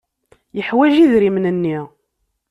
Yeḥwaj idrimen-nni.